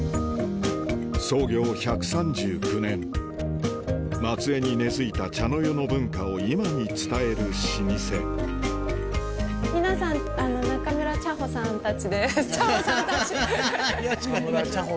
創業１３９年松江に根付いた茶の湯の文化を今に伝える老舗茶舗さんたち。